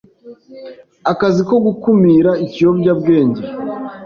akazi ko gukumira ikiyobyabwenge